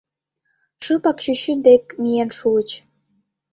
Шыпак чӱчӱ дек миен шуыч.